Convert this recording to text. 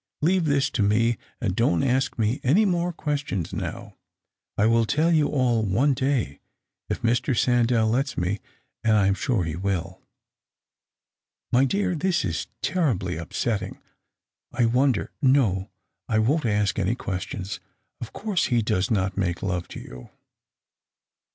Leave this to me, and don't ask me any more questions now. I will tell you all one day, if Mr. Sandell lets me ; and I am sure he will." "My dear, this is terribly upsetting. I wonder— no, I won't ask any questions. Of course, he does not make love to you."